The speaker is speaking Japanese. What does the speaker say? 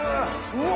うわ！